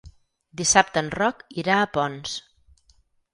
Dissabte en Roc irà a Ponts.